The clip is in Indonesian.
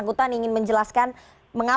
kami sudah tahu